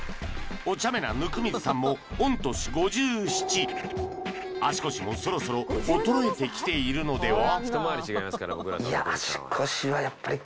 おちゃめな温水さんも御年５７足腰もそろそろ衰えてきているのでは？